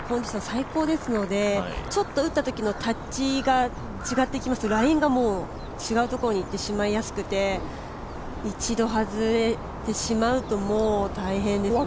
最高ですので、ちょっと打ったときのタッチが違ってきますとラインがもう違うところに行ってしまいやすくて、一度外れてしまうともう大変ですね。